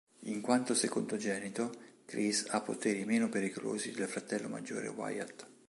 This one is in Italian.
In quanto secondogenito, Chris ha poteri meno pericolosi del fratello maggiore Wyatt.